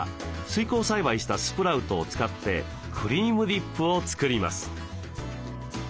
水耕栽培したスプラウトを使ってクリームディップを作ります。